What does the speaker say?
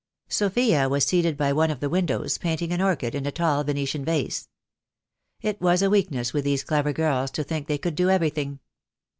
Sophia was seated by one of the windows painting an orchid in a tall Venetian vase. It was a weakness with these clever girls to think they could do everything.